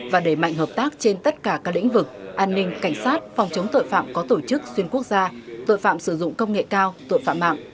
và đẩy mạnh hợp tác trên tất cả các lĩnh vực an ninh cảnh sát phòng chống tội phạm có tổ chức xuyên quốc gia tội phạm sử dụng công nghệ cao tội phạm mạng